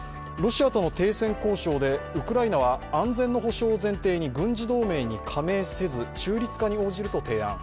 ロシアとの停戦交渉でウクライナは安全の保障を前提に軍事同盟に加盟せず中立化に応じると提案